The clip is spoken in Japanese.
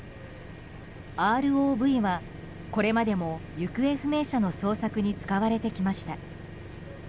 ＲＯＶはこれまでも行方不明者の捜索に使われてきました。